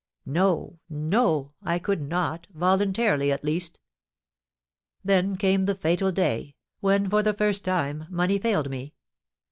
No! No! I could not, voluntarily, at least. "Then came the fatal day, when, for the first time, money failed me.